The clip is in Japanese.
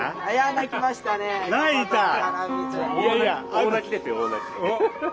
大泣きですよ大泣き。